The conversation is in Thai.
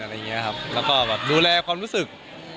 แล้วก็แบบดูแลความรู้สึก